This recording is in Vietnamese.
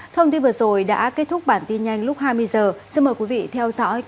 thông tin vừa rồi đã kết thúc bản tin nhanh lúc hai mươi h xin mời quý vị theo dõi các chương trình tiếp theo trên anntv